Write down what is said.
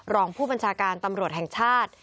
รองผู้บัญชาการตำรวจแห่งชาติ